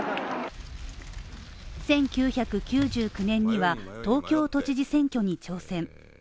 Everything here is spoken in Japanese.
１９９９年には東京都知事選挙に挑戦。